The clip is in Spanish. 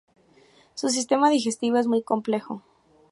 Su sistema digestivo es muy complejo.